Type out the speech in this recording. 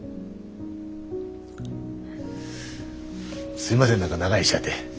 すいません何か長居しちゃって。